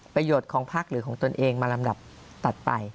ประโยชน์ของพักหรือของตนเองมาลำดับถัดไป